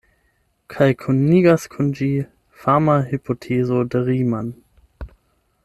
Kaj kunigas kun ĝi fama hipotezo de Riemann.